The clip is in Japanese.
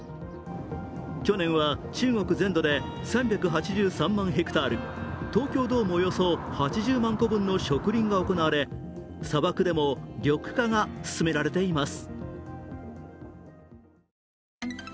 去年は中国全土で３８３万ヘクタール、東京ドームおよそ８０万個分の植林が行われ砂漠でも緑化が進められています。